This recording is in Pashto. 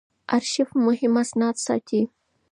آرشیف مهم اسناد ساتي.